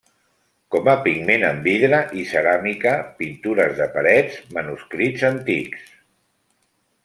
Com a pigment en vidre i ceràmica, pintures de parets, manuscrits antics.